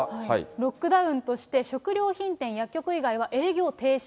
ロックダウンとして、食料品店、薬局以外は営業停止。